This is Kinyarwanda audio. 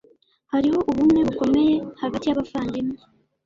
Hariho ubumwe bukomeye hagati yabavandimwe.